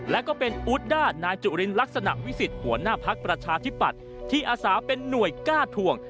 และก็เป็นอูดด้านายจุลินลักษณะวิสิทธิ์หัวหน้าพักประชาธิปัตย์ที่อาสาเป็นหน่วยก้าทวง